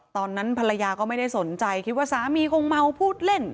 ตอนนั้นภรรยาก็ไม่ได้สนใจคิดว่าสามีคงเมาพูดเล่น